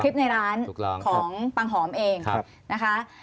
คลิปในร้านของปังหอมเองนะคะ